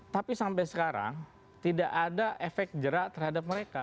tapi sampai sekarang tidak ada efek jerak terhadap mereka